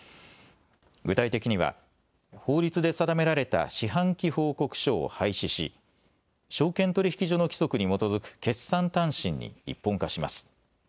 具体的には法律で定められた四半期報告書を廃止し証券取引所の規則に基づく決算短信に一本化します。